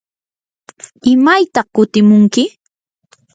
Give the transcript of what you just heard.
¿imaytaq kutimunki?